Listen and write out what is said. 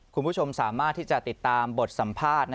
คุณผู้ชมสามารถที่จะติดตามบทสัมภาษณ์